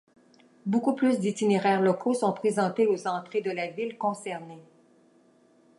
Beaucoup plus d'itinéraires locaux sont présentés aux entrées de la ville concernée.